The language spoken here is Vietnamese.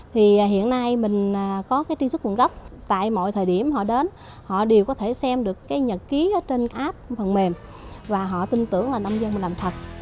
thì hiện nay mình có cái truy xuất nguồn gốc tại mọi thời điểm họ đến họ đều có thể xem được cái nhật ký trên app phần mềm và họ tin tưởng là nông dân mình làm thật